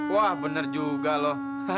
wah bener juga loh